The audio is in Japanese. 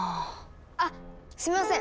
あっすみません！